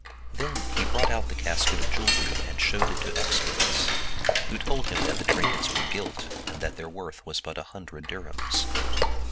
Then he brought out the casket of jewelry and showed it to experts, who told him that the trinkets were gilt and that their worth was but an hun dred dirhams.